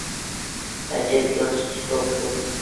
ئەجەب ياخشى ئىش بوپتۇ!